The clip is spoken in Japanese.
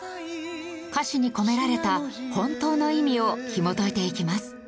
歌詞に込められた本当の意味をひもといていきます。